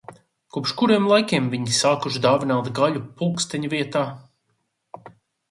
Kopš kuriem laikiem viņi sākuši dāvināt gaļu pulksteņa vietā?